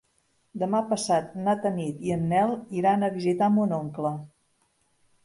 Demà passat na Tanit i en Nel iran a visitar mon oncle.